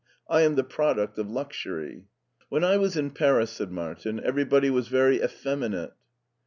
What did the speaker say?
I am the product of luxury." "When I was in Paris," said Martin, "everybody was very effeminate."